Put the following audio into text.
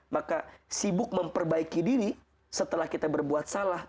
maka sibuk memperbaiki diri setelah kita berbuat salah